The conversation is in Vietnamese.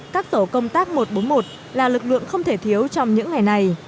các tổ công tác một trăm bốn mươi một là lực lượng không thể thiếu trong những ngày này